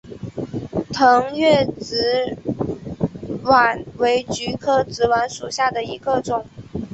腾越紫菀为菊科紫菀属下的一个种。